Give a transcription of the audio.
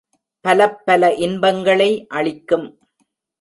பலப்பல இன்பங்களை அளிக்கும்.